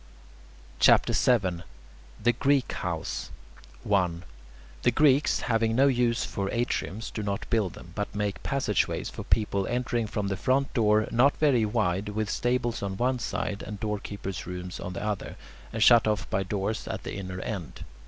CHAPTER VII THE GREEK HOUSE 1. The Greeks, having no use for atriums, do not build them, but make passage ways for people entering from the front door, not very wide, with stables on one side and doorkeepers' rooms on the other, and shut off by doors at the inner end.